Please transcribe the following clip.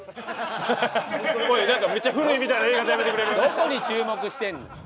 どこに注目してんの！